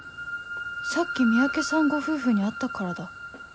さっき三宅さんご夫婦に会ったからだ